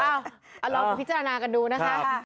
เอาลองพิจารณากันดูนะคะ